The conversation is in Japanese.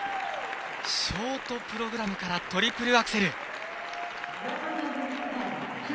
ショートプログラムからトリプルアクセル。